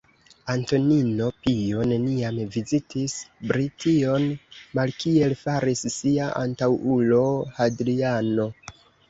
Antonino Pio neniam vizitis Brition, malkiel faris sia antaŭulo Hadriano.